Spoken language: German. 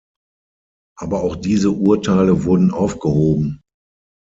Aber auch diese Urteile wurden aufgehoben.